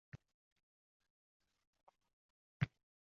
Ko‘pchilik hali ham uyg‘onmagan